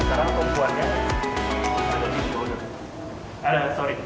sekarang tumpuannya ada di shoulder